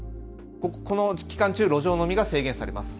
この期間中、路上飲みが制限されます。